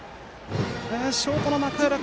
ショートの中浦